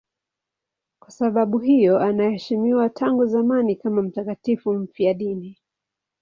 Kwa sababu hiyo anaheshimiwa tangu zamani kama mtakatifu mfiadini.